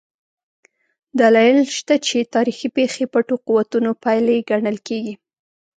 دلایل شته چې تاریخي پېښې پټو قوتونو پایلې ګڼل کېږي.